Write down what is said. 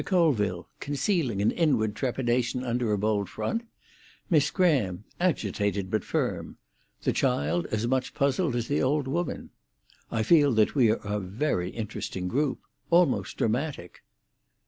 Colville concealing an inward trepidation under a bold front; Miss Graham agitated but firm; the child as much puzzled as the old woman. I feel that we are a very interesting group—almost dramatic."